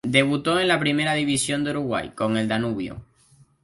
Debutó en la Primera División de Uruguay con el Danubio.